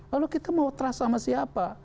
lalu kita mau trust sama siapa